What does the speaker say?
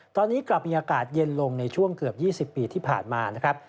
ตอนนี้กลับมีอากาศเย็นลงในช่วงเกือบ๒๐ปีที่ผ่านมานะครับ